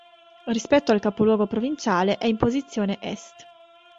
Rispetto al capoluogo provinciale è in posizione est.